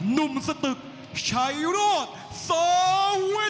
นุ่มสะตึกชัยโรสเซอร์วิทย์